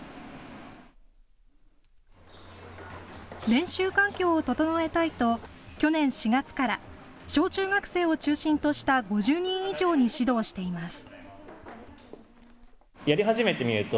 練習環境を整えたいと去年４月から小中学生を中心とした５０人以上に指導しています。